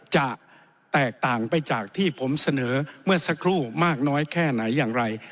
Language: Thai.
จะแตกต่างไปจากที่ผมเสนอเมื่อสักครู่มากน้อยแค่ไหนอย่างไร